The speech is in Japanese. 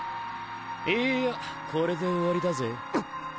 いいやこれで終わりだぜ。